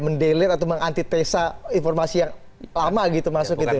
mendeler atau mengantitesa informasi yang lama gitu masuk gitu